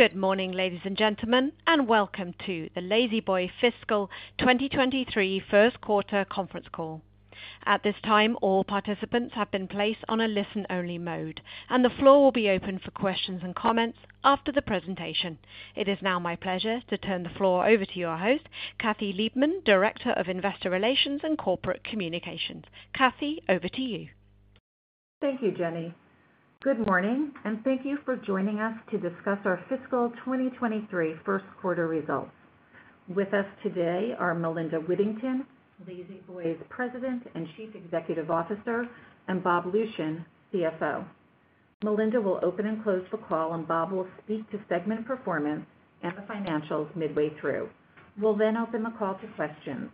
Good morning, ladies and gentlemen, and welcome to the La-Z-Boy fiscal 2023 First Quarter Conference Call. At this time, all participants have been placed on a listen-only mode, and the floor will be open for questions and comments after the presentation. It is now my pleasure to turn the floor over to your host, Kathy Liebmann, Director of Investor Relations and Corporate Communications. Kathy, over to you. Thank you, Jenny. Good morning, and thank you for joining us to discuss our fiscal 2023 first quarter results. With us today are Melinda Whittington, La-Z-Boy's President and Chief Executive Officer, and Bob Lucian, CFO. Melinda will open and close the call, and Bob will speak to segment performance and the financials midway through. We'll then open the call to questions.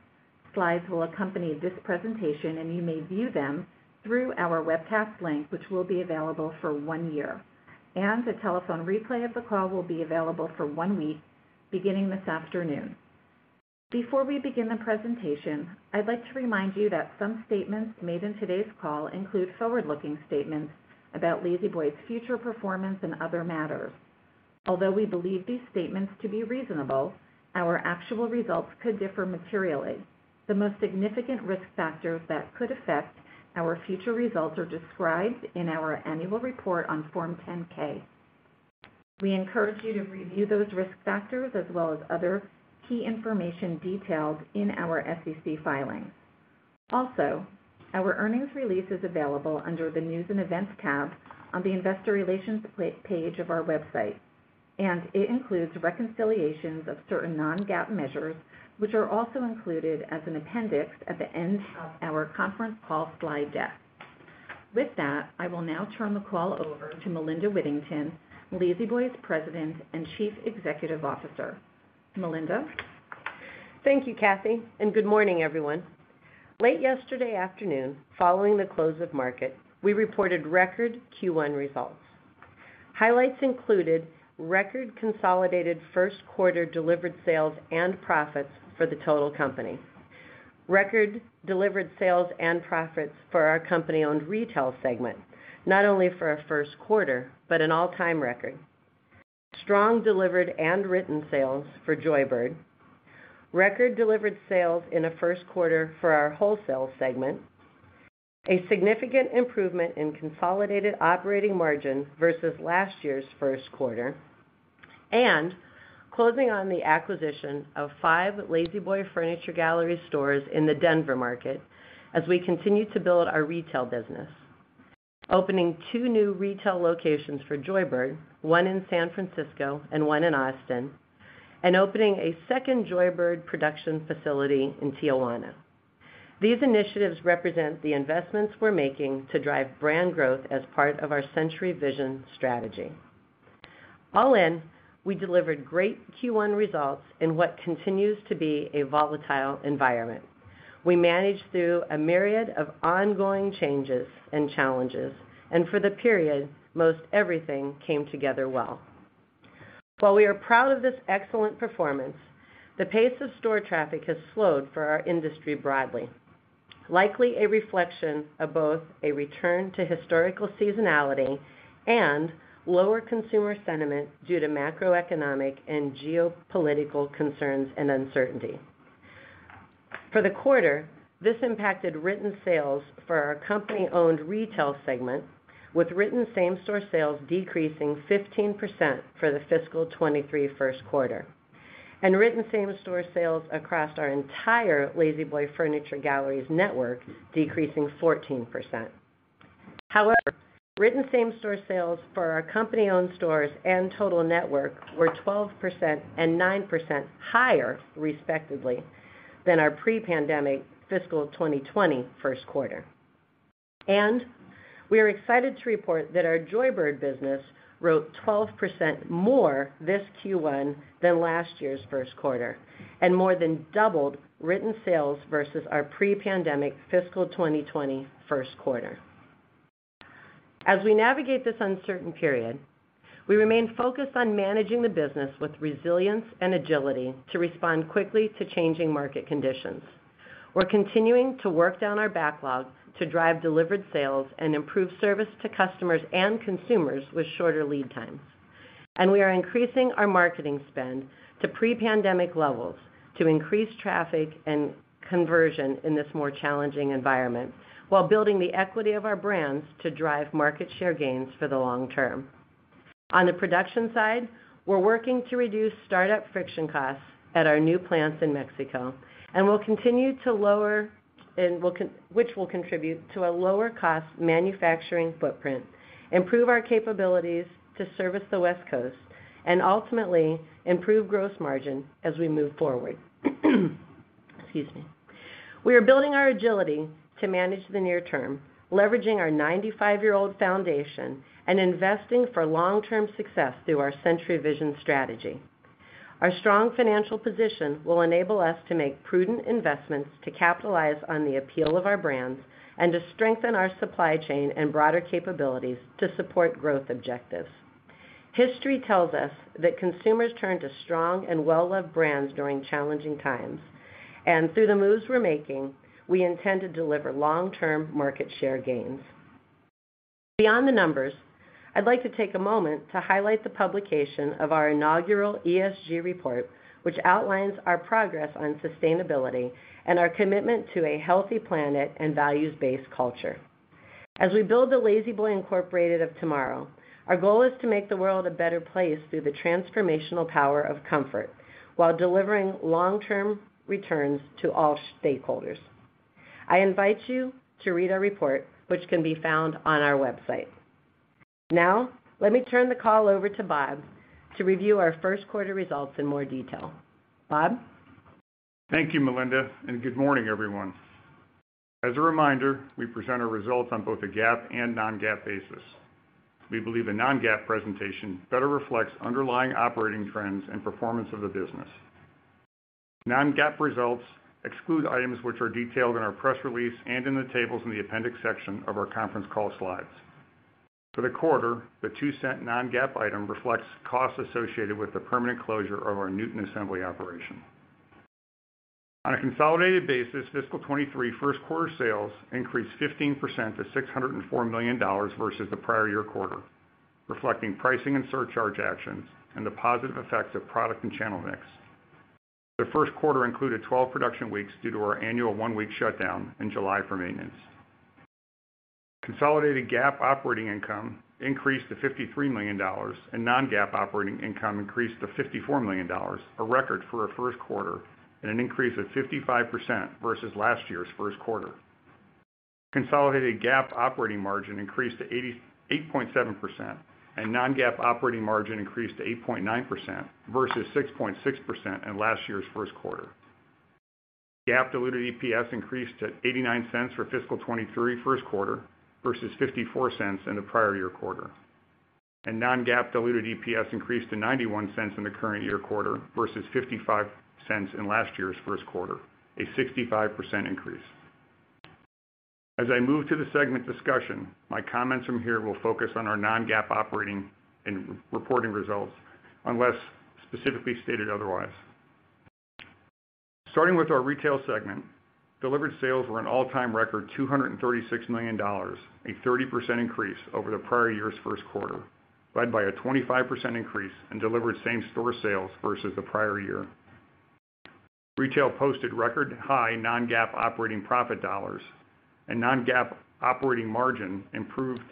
Slides will accompany this presentation, and you may view them through our webcast link, which will be available for one year. A telephone replay of the call will be available for one week, beginning this afternoon. Before we begin the presentation, I'd like to remind you that some statements made in today's call include forward-looking statements about La-Z-Boy's future performance and other matters. Although we believe these statements to be reasonable, our actual results could differ materially. The most significant risk factors that could affect our future results are described in our annual report on Form 10-K. We encourage you to review those risk factors as well as other key information detailed in our SEC filings. Also, our earnings release is available under the News & Events tab on the Investor Relations page of our website, and it includes reconciliations of certain non-GAAP measures, which are also included as an appendix at the end of our conference call slide deck. With that, I will now turn the call over to Melinda Whittington, La-Z-Boy's President and Chief Executive Officer. Melinda. Thank you, Kathy, and good morning, everyone. Late yesterday afternoon, following the close of market, we reported record Q1 results. Highlights included record consolidated first quarter delivered sales and profits for the total company. Record delivered sales and profits for our company-owned retail segment, not only for a first quarter, but an all-time record. Strong delivered and written sales for Joybird. Record delivered sales in the first quarter for our wholesale segment. A significant improvement in consolidated operating margin versus last year's first quarter. Closing on the acquisition of five La-Z-Boy Furniture Galleries stores in the Denver market as we continue to build our retail business. Opening two new retail locations for Joybird, one in San Francisco and one in Austin. Opening a second Joybird production facility in Tijuana. These initiatives represent the investments we're making to drive brand growth as part of our Century Vision strategy. All in, we delivered great Q1 results in what continues to be a volatile environment. We managed through a myriad of ongoing changes and challenges, and for the period, most everything came together well. While we are proud of this excellent performance, the pace of store traffic has slowed for our industry broadly, likely a reflection of both a return to historical seasonality and lower consumer sentiment due to macroeconomic and geopolitical concerns and uncertainty. For the quarter, this impacted written sales for our company-owned retail segment, with written same-store sales decreasing 15% for the fiscal 2023 first quarter, and written same-store sales across our entire La-Z-Boy Furniture Galleries network decreasing 14%. However, written same-store sales for our company-owned stores and total network were 12% and 9% higher, respectively, than our pre-pandemic fiscal 2020 first quarter. We are excited to report that our Joybird business wrote 12% more this Q1 than last year's first quarter and more than doubled written sales versus our pre-pandemic fiscal 2020 first quarter. As we navigate this uncertain period, we remain focused on managing the business with resilience and agility to respond quickly to changing market conditions. We're continuing to work down our backlog to drive delivered sales and improve service to customers and consumers with shorter lead times. We are increasing our marketing spend to pre-pandemic levels to increase traffic and conversion in this more challenging environment while building the equity of our brands to drive market share gains for the long term. On the production side, we're working to reduce startup friction costs at our new plants in Mexico, which will contribute to a lower cost manufacturing footprint, improve our capabilities to service the West Coast, and ultimately improve gross margin as we move forward. Excuse me. We are building our agility to manage the near term, leveraging our 95-year-old foundation and investing for long-term success through our Century Vision strategy. Our strong financial position will enable us to make prudent investments to capitalize on the appeal of our brands and to strengthen our supply chain and broader capabilities to support growth objectives. History tells us that consumers turn to strong and well-loved brands during challenging times. Through the moves we're making, we intend to deliver long-term market share gains. Beyond the numbers, I'd like to take a moment to highlight the publication of our inaugural ESG report, which outlines our progress on sustainability and our commitment to a healthy planet and values-based culture. As we build the La-Z-Boy Incorporated of tomorrow, our goal is to make the world a better place through the transformational power of comfort while delivering long-term returns to all stakeholders. I invite you to read our report, which can be found on our website. Now, let me turn the call over to Bob to review our first quarter results in more detail. Bob? Thank you, Melinda, and good morning, everyone. As a reminder, we present our results on both a GAAP and non-GAAP basis. We believe a non-GAAP presentation better reflects underlying operating trends and performance of the business. Non-GAAP results exclude items which are detailed in our press release and in the tables in the appendix section of our conference call slides. For the quarter, the 2-cent non-GAAP item reflects costs associated with the permanent closure of our Newton assembly operation. On a consolidated basis, fiscal 2023 first quarter sales increased 15% to $604 million versus the prior year quarter, reflecting pricing and surcharge actions and the positive effects of product and channel mix. The first quarter included 12 production weeks due to our annual 1-week shutdown in July for maintenance. Consolidated GAAP operating income increased to $53 million, and non-GAAP operating income increased to $54 million, a record for our first quarter and an increase of 55% versus last year's first quarter. Consolidated GAAP operating margin increased to 8.7% and non-GAAP operating margin increased to 8.9% versus 6.6% in last year's first quarter. GAAP diluted EPS increased to $0.89 for fiscal 2023 first quarter versus $0.54 in the prior year quarter. Non-GAAP diluted EPS increased to $0.91 in the current year quarter versus $0.55 in last year's first quarter, a 65% increase. As I move to the segment discussion, my comments from here will focus on our non-GAAP operating and reporting results unless specifically stated otherwise. Starting with our retail segment, delivered sales were an all-time record $236 million, a 30% increase over the prior year's first quarter, led by a 25% increase in delivered same store sales versus the prior year. Retail posted record high non-GAAP operating profit dollars and non-GAAP operating margin improved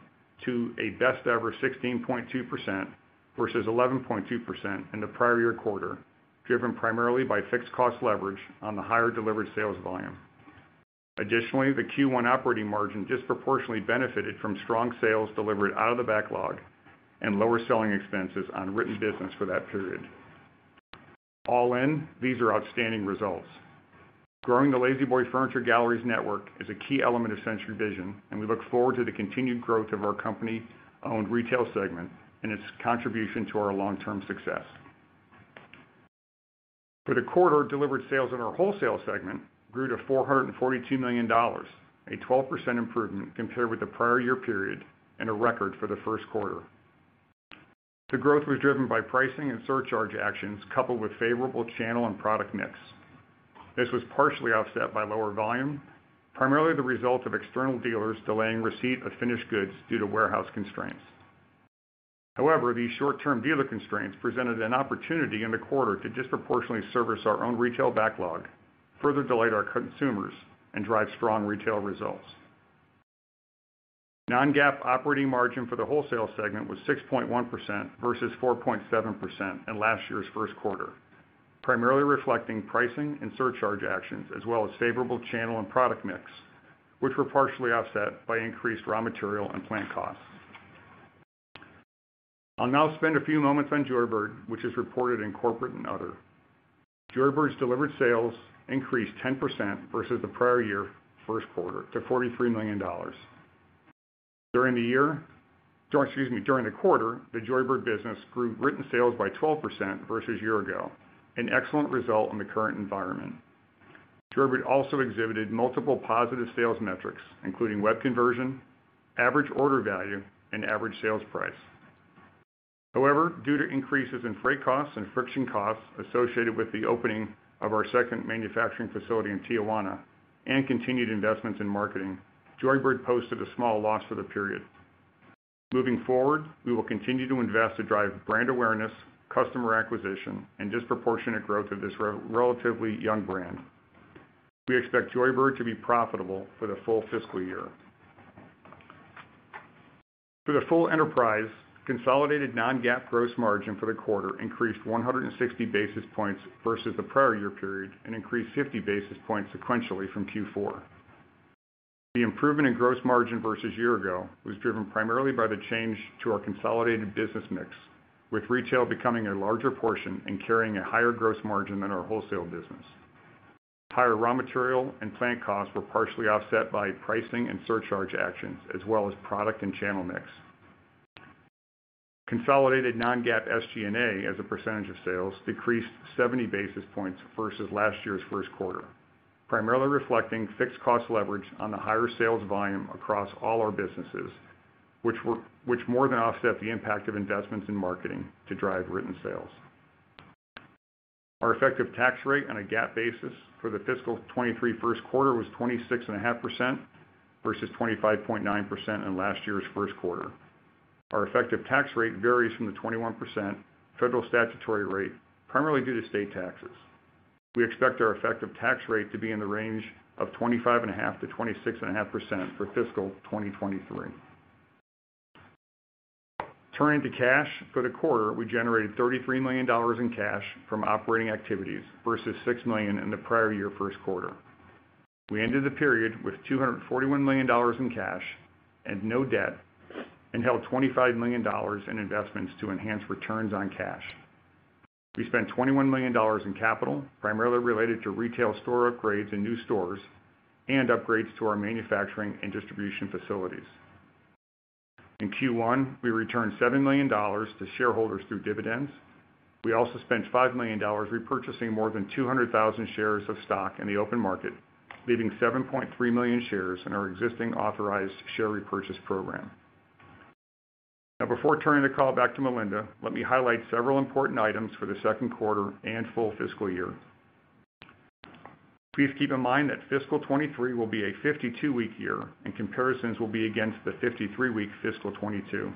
to a best ever 16.2% versus 11.2% in the prior year quarter, driven primarily by fixed cost leverage on the higher delivered sales volume. Additionally, the Q1 operating margin disproportionately benefited from strong sales delivered out of the backlog and lower selling expenses on written business for that period. All in, these are outstanding results. Growing the La-Z-Boy Furniture Galleries network is a key element of Century Vision, and we look forward to the continued growth of our company-owned retail segment and its contribution to our long-term success. For the quarter, delivered sales in our wholesale segment grew to $442 million, a 12% improvement compared with the prior year period and a record for the first quarter. The growth was driven by pricing and surcharge actions coupled with favorable channel and product mix. This was partially offset by lower volume, primarily the result of external dealers delaying receipt of finished goods due to warehouse constraints. However, these short-term dealer constraints presented an opportunity in the quarter to disproportionately service our own retail backlog, further delight our consumers, and drive strong retail results. non-GAAP operating margin for the wholesale segment was 6.1% versus 4.7% in last year's first quarter, primarily reflecting pricing and surcharge actions as well as favorable channel and product mix, which were partially offset by increased raw material and plant costs. I'll now spend a few moments on Joybird, which is reported in corporate and other. Joybird's delivered sales increased 10% versus the prior year first quarter to $43 million. During the quarter, the Joybird business grew written sales by 12% versus year ago, an excellent result in the current environment. Joybird also exhibited multiple positive sales metrics, including web conversion, average order value, and average sales price. However, due to increases in freight costs and friction costs associated with the opening of our second manufacturing facility in Tijuana and continued investments in marketing, Joybird posted a small loss for the period. Moving forward, we will continue to invest to drive brand awareness, customer acquisition, and disproportionate growth of this relatively young brand. We expect Joybird to be profitable for the full fiscal year. For the full enterprise, consolidated non-GAAP gross margin for the quarter increased 160 basis points versus the prior year period and increased 50 basis points sequentially from Q4. The improvement in gross margin versus year ago was driven primarily by the change to our consolidated business mix, with retail becoming a larger portion and carrying a higher gross margin than our wholesale business. Higher raw material and plant costs were partially offset by pricing and surcharge actions, as well as product and channel mix. Consolidated non-GAAP SG&A as a percentage of sales decreased 70 basis points versus last year's first quarter, primarily reflecting fixed cost leverage on the higher sales volume across all our businesses, which more than offset the impact of investments in marketing to drive written sales. Our effective tax rate on a GAAP basis for the fiscal 2023 first quarter was 26.5% versus 25.9% in last year's first quarter. Our effective tax rate varies from the 21% federal statutory rate, primarily due to state taxes. We expect our effective tax rate to be in the range of 25.5%-26.5% for fiscal 2023. Turning to cash for the quarter, we generated $33 million in cash from operating activities versus $6 million in the prior year first quarter. We ended the period with $241 million in cash and no debt, and held $25 million in investments to enhance returns on cash. We spent $21 million in capital, primarily related to retail store upgrades and new stores and upgrades to our manufacturing and distribution facilities. In Q1, we returned $7 million to shareholders through dividends. We also spent $5 million repurchasing more than 200,000 shares of stock in the open market, leaving 7.3 million shares in our existing authorized share repurchase program. Now, before turning the call back to Melinda, let me highlight several important items for the second quarter and full fiscal year. Please keep in mind that fiscal 2023 will be a 52-week year and comparisons will be against the 53-week fiscal 2022.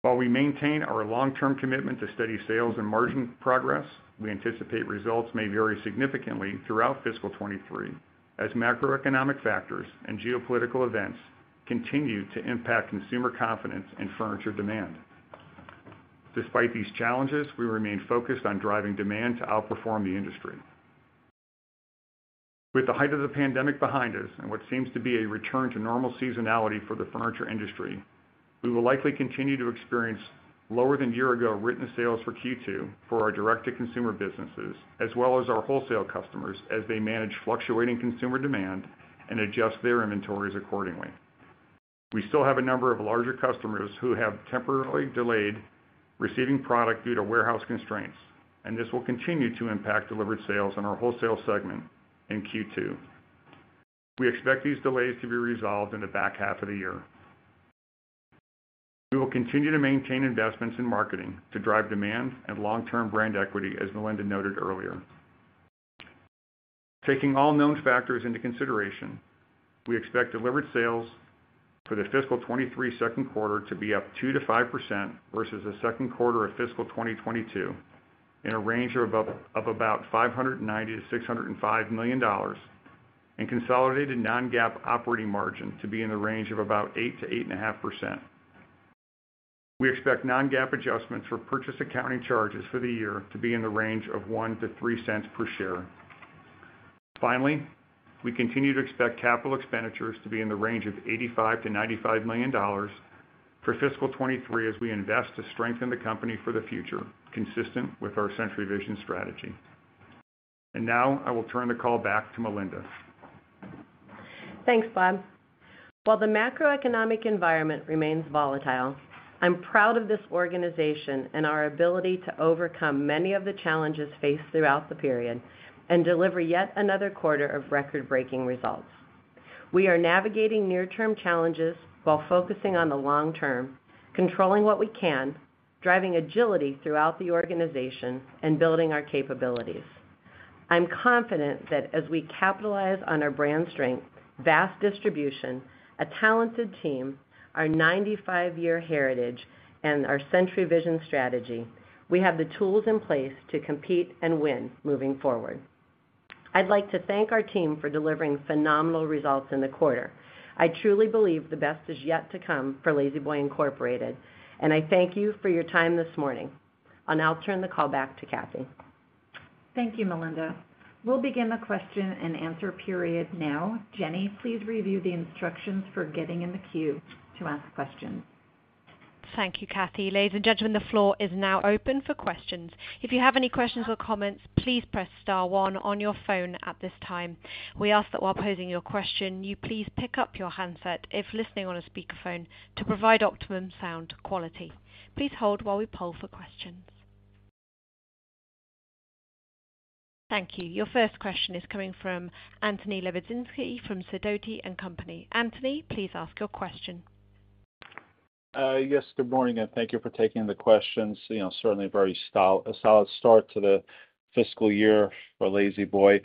While we maintain our long-term commitment to steady sales and margin progress, we anticipate results may vary significantly throughout fiscal 2023 as macroeconomic factors and geopolitical events continue to impact consumer confidence in furniture demand. Despite these challenges, we remain focused on driving demand to outperform the industry. With the height of the pandemic behind us and what seems to be a return to normal seasonality for the furniture industry, we will likely continue to experience lower-than-year-ago written sales for Q2 for our direct-to-consumer businesses, as well as our wholesale customers as they manage fluctuating consumer demand and adjust their inventories accordingly. We still have a number of larger customers who have temporarily delayed receiving product due to warehouse constraints, and this will continue to impact delivered sales in our wholesale segment in Q2. We expect these delays to be resolved in the back half of the year. We will continue to maintain investments in marketing to drive demand and long-term brand equity, as Melinda noted earlier. Taking all known factors into consideration, we expect delivered sales for the fiscal 2023 second quarter to be up 2%-5% versus the second quarter of fiscal 2022, in a range of about $590 million-$605 million, and consolidated non-GAAP operating margin to be in the range of about 8%-8.5%. We expect non-GAAP adjustments for purchase accounting charges for the year to be in the range of 1-3 cents per share. Finally, we continue to expect capital expenditures to be in the range of $85 million-$95 million for fiscal 2023 as we invest to strengthen the company for the future, consistent with our Century Vision strategy. Now I will turn the call back to Melinda. Thanks, Bob. While the macroeconomic environment remains volatile, I'm proud of this organization and our ability to overcome many of the challenges faced throughout the period and deliver yet another quarter of record-breaking results. We are navigating near-term challenges while focusing on the long term, controlling what we can, driving agility throughout the organization and building our capabilities. I'm confident that as we capitalize on our brand strength, vast distribution, a talented team, our 95-year heritage and our Century Vision strategy, we have the tools in place to compete and win moving forward. I'd like to thank our team for delivering phenomenal results in the quarter. I truly believe the best is yet to come for La-Z-Boy Incorporated, and I thank you for your time this morning. I'll now turn the call back to Kathy. Thank you, Melinda. We'll begin the question and answer period now. Jenny, please review the instructions for getting in the queue to ask questions. Thank you, Kathy. Ladies and gentlemen, the floor is now open for questions. If you have any questions or comments, please press star one on your phone at this time. We ask that while posing your question, you please pick up your handset if listening on a speakerphone to provide optimum sound quality. Please hold while we poll for questions. Thank you. Your first question is coming from Anthony Lebiedzinski from Sidoti & Company, please ask your question. Yes, good morning, and thank you for taking the questions. You know, certainly a very solid start to the fiscal year for La-Z-Boy.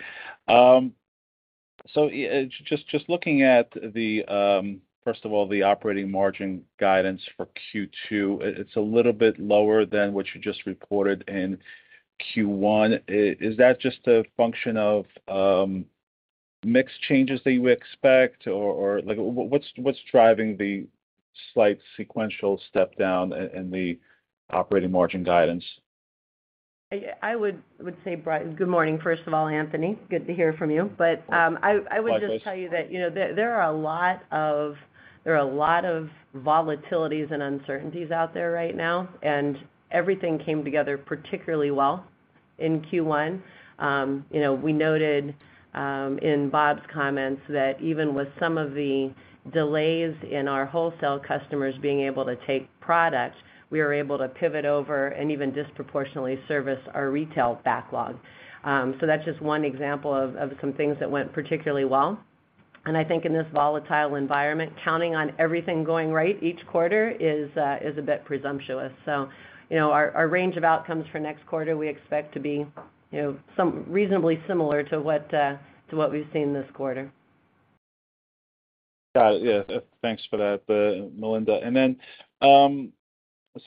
So, yeah, just looking at the first of all, the operating margin guidance for Q2, it's a little bit lower than what you just reported in Q1. Is that just a function of mix changes that you expect, or like, what's driving the slight sequential step down in the operating margin guidance? Good morning, first of all, Anthony. Good to hear from you. Likewise. I would just tell you that, you know, there are a lot of volatilities and uncertainties out there right now, and everything came together particularly well in Q1. You know, we noted in Bob's comments that even with some of the delays in our wholesale customers being able to take product, we were able to pivot over and even disproportionately service our retail backlog. That's just one example of some things that went particularly well. I think in this volatile environment, counting on everything going right each quarter is a bit presumptuous. You know, our range of outcomes for next quarter, we expect to be some reasonably similar to what we've seen this quarter. Got it. Yeah. Thanks for that, Melinda.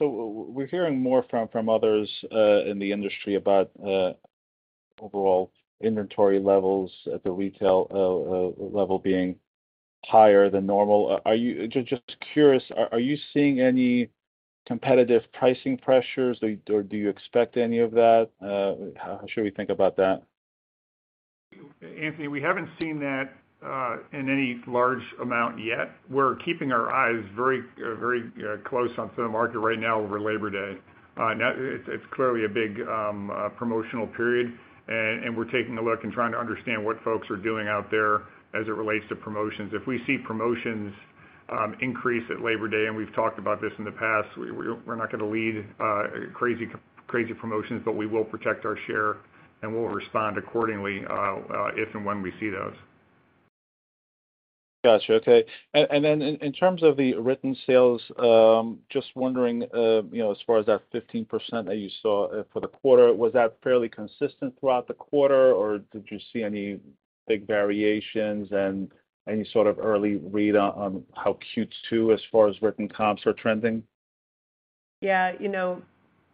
We're hearing more from others in the industry about overall inventory levels at the retail level being higher than normal. Just curious, are you seeing any competitive pricing pressures, or do you expect any of that? How should we think about that? Anthony, we haven't seen that in any large amount yet. We're keeping our eyes very close onto the market right now over Labor Day. That it's clearly a big promotional period. We're taking a look and trying to understand what folks are doing out there as it relates to promotions. If we see promotions increase at Labor Day, and we've talked about this in the past, we're not gonna lead crazy promotions, but we will protect our share, and we'll respond accordingly, if and when we see those. Got you. Okay. Then in terms of the written sales, just wondering, you know, as far as that 15% that you saw for the quarter, was that fairly consistent throughout the quarter, or did you see any big variations and any sort of early read on how Q2 as far as written comps are trending? Yeah. You know,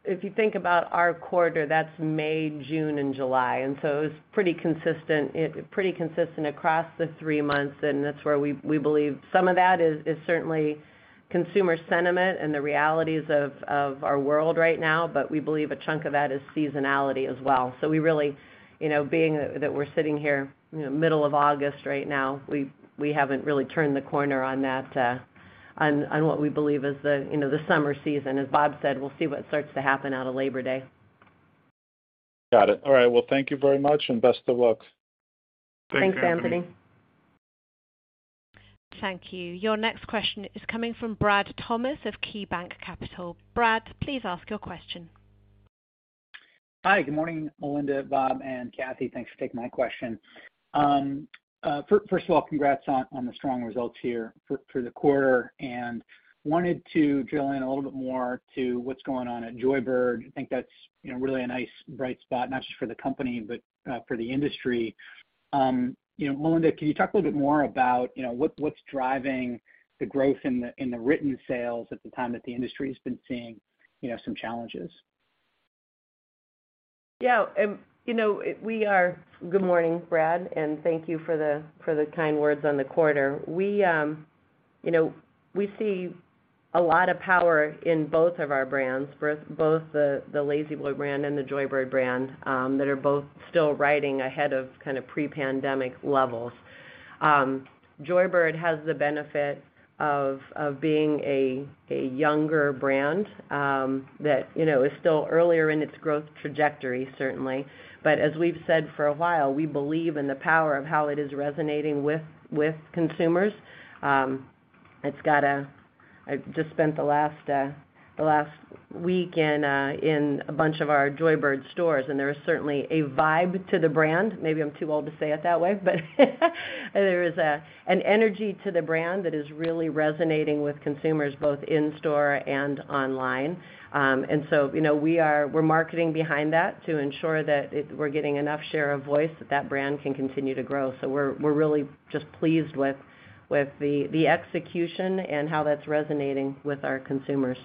if you think about our quarter, that's May, June and July, and so it was pretty consistent. It was pretty consistent across the three months, and that's where we believe some of that is certainly consumer sentiment and the realities of our world right now. We believe a chunk of that is seasonality as well. We really, you know, being that we're sitting here, you know, middle of August right now, we haven't really turned the corner on that, on what we believe is the, you know, the summer season. As Bob said, we'll see what starts to happen out of Labor Day. Got it. All right. Well, thank you very much, and best of luck. Thanks, Anthony. Thanks, Anthony. Thank you. Your next question is coming from Brad Thomas of KeyBanc Capital. Brad, please ask your question. Hi. Good morning, Melinda, Bob and Kathy. Thanks for taking my question. First of all, congrats on the strong results here for the quarter, and wanted to drill in a little bit more to what's going on at Joybird. I think that's, you know, really a nice bright spot, not just for the company, but for the industry. You know, Melinda, can you talk a little bit more about, you know, what's driving the growth in the written sales at a time that the industry has been seeing, you know, some challenges? Yeah. You know, Good morning, Brad, and thank you for the kind words on the quarter. You know, we see a lot of power in both of our brands, both the La-Z-Boy brand and the Joybird brand, that are both still riding ahead of kind of pre-pandemic levels. Joybird has the benefit of being a younger brand, that you know is still earlier in its growth trajectory, certainly. As we've said for a while, we believe in the power of how it is resonating with consumers. I've just spent the last week in a bunch of our Joybird stores, and there is certainly a vibe to the brand. Maybe I'm too old to say it that way, but there is an energy to the brand that is really resonating with consumers both in store and online. You know, we're marketing behind that to ensure that we're getting enough share of voice that the brand can continue to grow. We're really just pleased with the execution and how that's resonating with our consumers.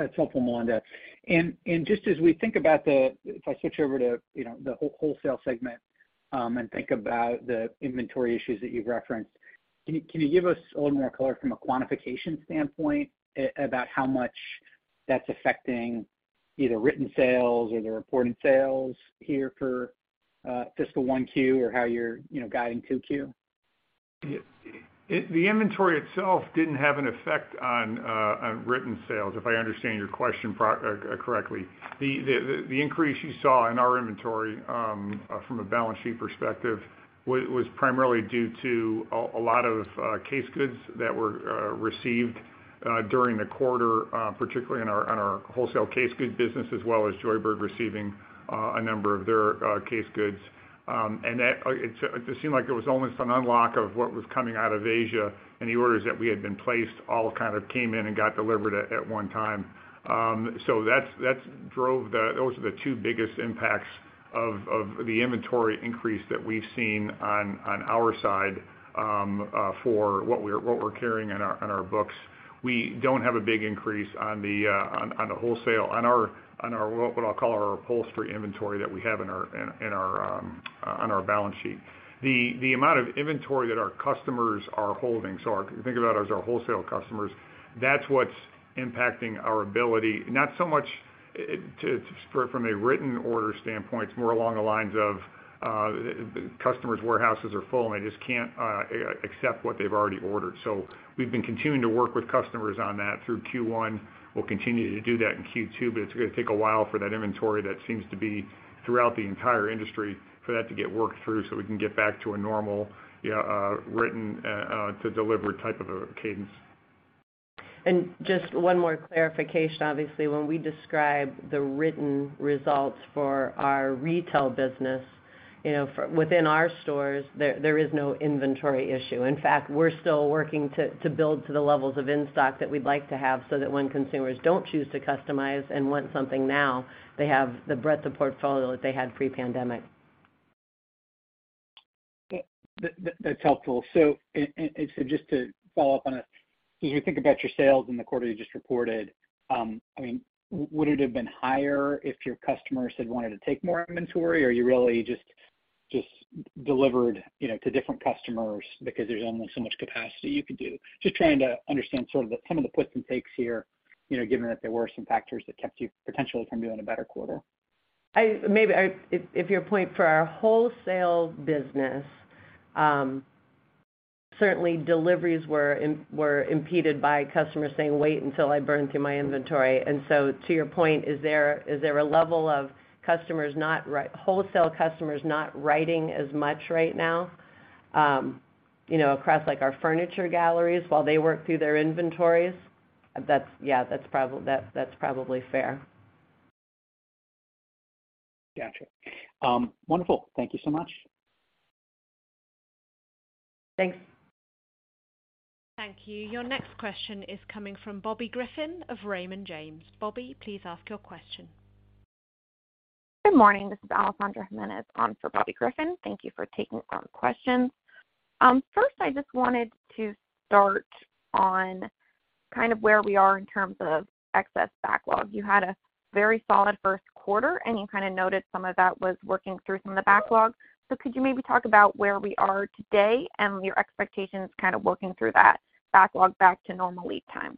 That's helpful, Melinda. If I switch over to, you know, the whole wholesale segment, and think about the inventory issues that you've referenced, can you give us a little more color from a quantification standpoint about how much that's affecting either written sales or the reported sales here for fiscal one Q or how you're, you know, guiding two Q? The inventory itself didn't have an effect on written sales, if I understand your question correctly. The increase you saw in our inventory from a balance sheet perspective was primarily due to a lot of case goods that were received during the quarter, particularly on our wholesale case goods business as well as Joybird receiving a number of their case goods. That it seemed like it was almost an unlock of what was coming out of Asia, any orders that we had placed all kind of came in and got delivered at one time. Those are the two biggest impacts of the inventory increase that we've seen on our side for what we're carrying on our books. We don't have a big increase on the wholesale, what I'll call our upholstery inventory that we have on our balance sheet. The amount of inventory that our customers are holding, so if you think about it as our wholesale customers, that's what's impacting our ability, not so much from a written order standpoint. It's more along the lines of customers' warehouses are full, and they just can't accept what they've already ordered. We've been continuing to work with customers on that through Q1. We'll continue to do that in Q2, but it's gonna take a while for that inventory that seems to be throughout the entire industry for that to get worked through so we can get back to a normal written to deliver type of a cadence. Just one more clarification. Obviously, when we describe the written results for our retail business, you know, within our stores, there is no inventory issue. In fact, we're still working to build to the levels of in-stock that we'd like to have, so that when consumers don't choose to customize and want something now, they have the breadth of portfolio that they had pre-pandemic. That's helpful. Just to follow up on it, as you think about your sales in the quarter you just reported, I mean, would it have been higher if your customers had wanted to take more inventory? Or you really just delivered, you know, to different customers because there's only so much capacity you could do? Just trying to understand sort of some of the puts and takes here, you know, given that there were some factors that kept you potentially from doing a better quarter. If your point for our wholesale business, certainly deliveries were impeded by customers saying, "Wait until I burn through my inventory." To your point, is there a level of wholesale customers not writing as much right now, you know, across like our furniture galleries while they work through their inventories? Yeah, that's probably fair. Gotcha. Wonderful. Thank you so much. Thanks. Thank you. Your next question is coming from Bobby Griffin of Raymond James. Bobby, please ask your question. Good morning. This is Alessandra Jimenez on for Bobby Griffin. Thank you for taking our question. First, I just wanted to start on kind of where we are in terms of excess backlog. You had a very solid first quarter, and you kind of noted some of that was working through some of the backlog. Could you maybe talk about where we are today and your expectations kind of working through that backlog back to normal lead time?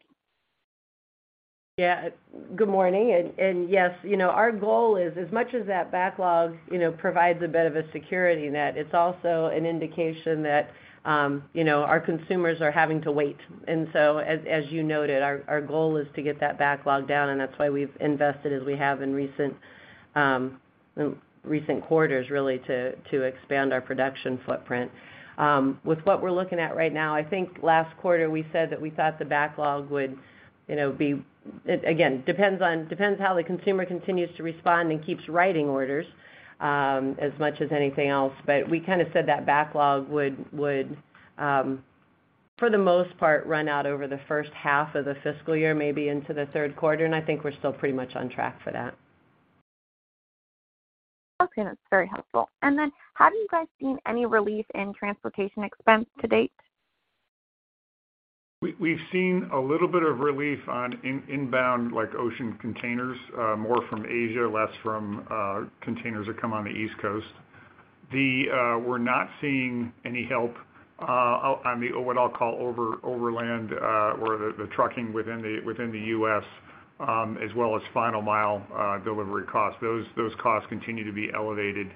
Yeah. Good morning. Yes, you know, our goal is as much as that backlog, you know, provides a bit of a security net, it's also an indication that, you know, our consumers are having to wait. As you noted, our goal is to get that backlog down, and that's why we've invested as we have in recent quarters, really to expand our production footprint. With what we're looking at right now, I think last quarter we said that we thought the backlog would, you know, be. It again depends on how the consumer continues to respond and keeps writing orders, as much as anything else. We kinda said that backlog would for the most part run out over the first half of the fiscal year, maybe into the third quarter, and I think we're still pretty much on track for that. Okay. That's very helpful. Have you guys seen any relief in transportation expense to date? We've seen a little bit of relief on inbound, like ocean containers, more from Asia, less from containers that come on the East Coast. We're not seeing any help on what I'll call overland, or the trucking within the U.S., as well as final mile delivery costs. Those costs continue to be elevated,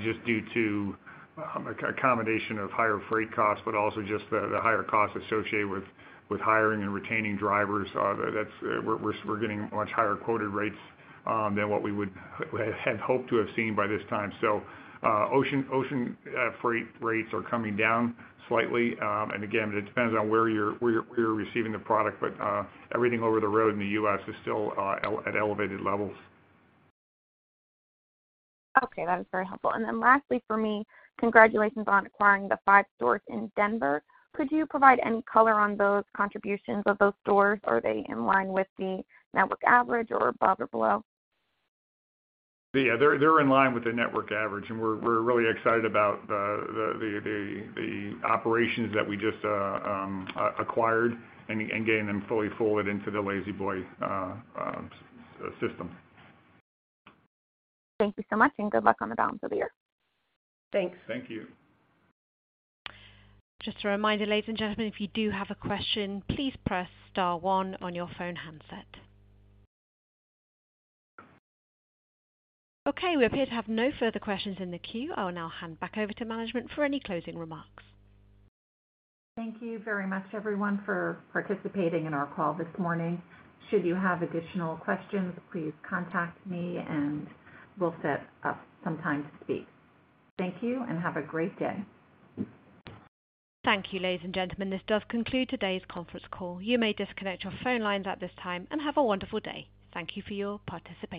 just due to a combination of higher freight costs, but also just the higher costs associated with hiring and retaining drivers. We're getting much higher quoted rates than what we would have had hoped to have seen by this time. Ocean freight rates are coming down slightly. Again, it depends on where you're receiving the product, but everything over the road in the U.S. is still at elevated levels. Okay. That is very helpful. Lastly for me, congratulations on acquiring the five stores in Denver. Could you provide any color on those contributions of those stores? Are they in line with the network average or above or below? Yeah. They're in line with the network average, and we're really excited about the operations that we just acquired and getting them fully folded into the La-Z-Boy system. Thank you so much, and good luck on the balance of the year. Thanks. Thank you. Just a reminder, ladies and gentlemen, if you do have a question, please press star one on your phone handset. Okay, we appear to have no further questions in the queue. I will now hand back over to management for any closing remarks. Thank you very much, everyone, for participating in our call this morning. Should you have additional questions, please contact me, and we'll set up some time to speak. Thank you and have a great day. Thank you, ladies and gentlemen. This does conclude today's conference call. You may disconnect your phone lines at this time and have a wonderful day. Thank you for your participation.